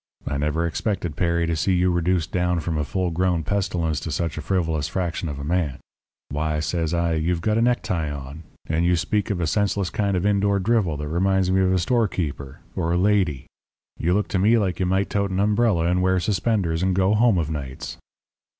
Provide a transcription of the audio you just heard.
I never expected, Perry, to see you reduced down from a full grown pestilence to such a frivolous fraction of a man. Why,' says I, 'you've got a necktie on; and you speak a senseless kind of indoor drivel that reminds me of a storekeeper or a lady. You look to me like you might tote an umbrella and wear suspenders, and go home of nights.'